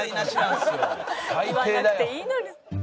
言わなくていいのに。